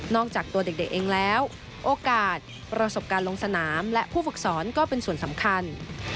จากตัวเด็กเองแล้วโอกาสประสบการณ์ลงสนามและผู้ฝึกสอนก็เป็นส่วนสำคัญ